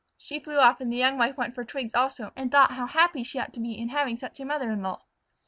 She flew off and the young wife went for twigs also, and thought how happy she ought to be in having such a mother in law.